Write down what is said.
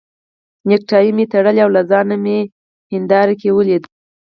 نېکټایي مې تړله او ځان مې په هنداره کې ولید.